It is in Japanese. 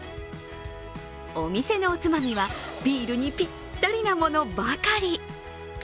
お店のおつまみはビールにぴったりなものばかり。